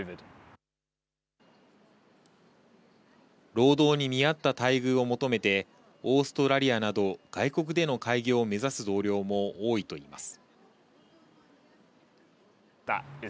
労働に見合った待遇を求めて、オーストラリアなど、外国での開業を目指す同僚も多いといいます。